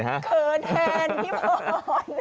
เขินแทนพี่พร